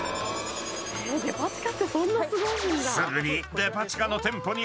［すぐに］